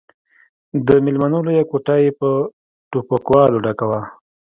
د ميلمنو لويه کوټه يې په ټوپکوالو ډکه وه.